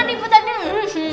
nanti saya transfer ke lu